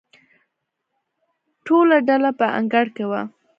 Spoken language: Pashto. ټوله ډله په انګړ کې وه.